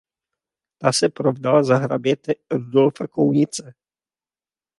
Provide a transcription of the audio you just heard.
Ta se provdala za hraběte Rudolfa Kounice.